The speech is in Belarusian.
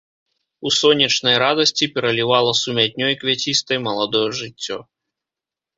У сонечнай радасці пералівала сумятнёй квяцістай маладое жыццё.